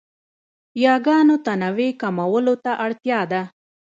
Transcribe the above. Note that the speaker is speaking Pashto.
یاګانو تنوع کمولو ته اړتیا ده.